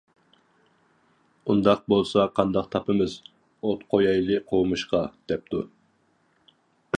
«ئۇنداق بولسا قانداق تاپىمىز، ئوت قويايلى قومۇشقا» دەپتۇ.